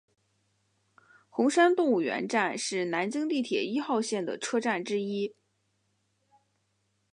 红山动物园站是南京地铁一号线的车站之一。